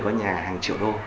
có nhà hàng triệu đô